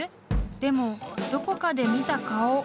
［でもどこかで見た顔］